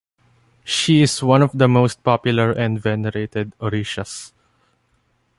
She is one of the most popular and venerated orishas.